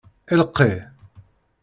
Iqi.